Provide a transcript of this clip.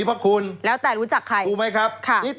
หรือไหมครับ